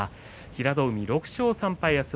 平戸海、６勝３敗です。